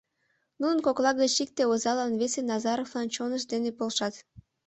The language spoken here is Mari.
Нунын кокла гыч икте озалан, весе Назаровлан чонышт дене полшат.